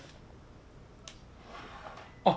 あっ！